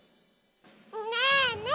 ねえねえ